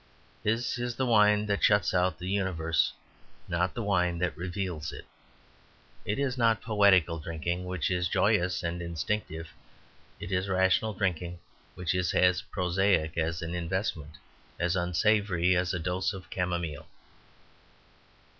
His is the wine that shuts out the universe, not the wine that reveals it. It is not poetical drinking, which is joyous and instinctive; it is rational drinking, which is as prosaic as an investment, as unsavoury as a dose of camomile.